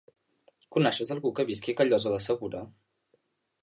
Coneixes algú que visqui a Callosa de Segura?